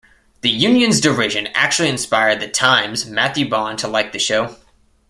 The unions' derision actually inspired "The Times"'s Matthew Bond to like the show.